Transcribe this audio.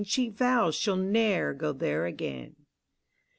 She vows she'll ne'er go there again.